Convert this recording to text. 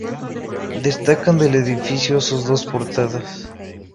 Destacan del edificio sus dos portadas.